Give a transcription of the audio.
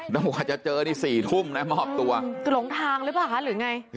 แล้วกว่าจะเจอนี่๔ทุ่มนะมอบตัวคือหลงทางหรือเปล่าคะหรือไง